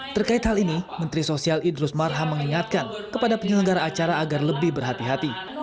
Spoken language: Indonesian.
terkait hal ini menteri sosial idrus marham mengingatkan kepada penyelenggara acara agar lebih berhati hati